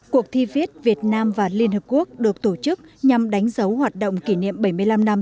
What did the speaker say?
cuộc thi viết việt nam và liên hợp quốc được tổ chức nhằm đánh dấu hoạt động kỷ niệm bảy mươi năm năm